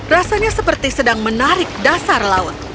rasanya seperti sedang menarik dasar laut